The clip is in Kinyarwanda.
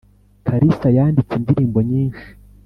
kalisa yanditse indirimbo nyinshi